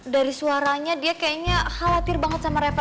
dari suaranya dia kayaknya khawatir banget sama reva